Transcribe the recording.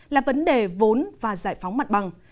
là vấn đề vốn và giải phóng mặt bằng